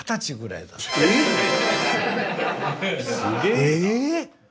⁉すげえな。